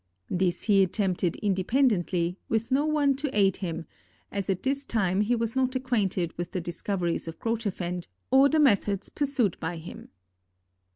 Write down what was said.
This he attempted independently, with no one to aid him, as at this time he was not acquainted with the discoveries of Grotefend, or the methods pursued by him.